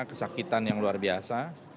kesakitan yang luar biasa